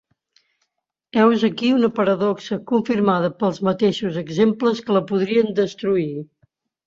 Heus ací una paradoxa confirmada pels mateixos exemples que la podrien destruir.